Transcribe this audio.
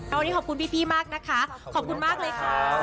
วันนี้ขอบคุณพี่มากนะคะขอบคุณมากเลยค่ะ